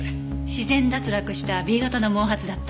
自然脱落したＢ型の毛髪だった。